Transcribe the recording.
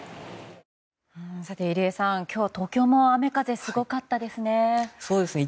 入江さん、今日は東京も雨風すごかったですね。